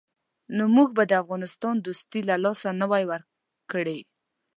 نو موږ به د افغانستان دوستي له لاسه نه وای ورکړې.